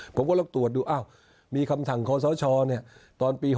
ผมก็ลองตรวจดูมีคำสั่งข้อสาวชอตอนปี๖๑